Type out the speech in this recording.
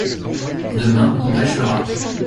Demain on pêchera.